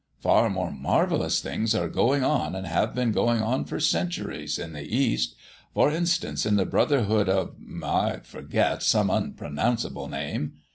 Far more marvellous things are going on, and have been going on for centuries, in the East; for instance, in the Brotherhoods of I forget some unpronounceable name.'